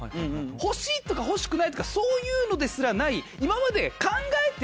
欲しいとか欲しくないとかそういうのですらない。